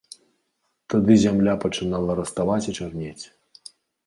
Тады зямля пачынала раставаць і чарнець.